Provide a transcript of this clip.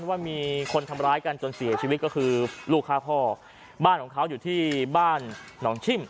ว่ามีคนทำร้ายกันจนเสียชีวิตก็คือลูกฆ่าพ่อบ้านของเขาอยู่ที่บ้านหนองชิม